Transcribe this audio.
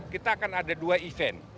kita akan ada dua event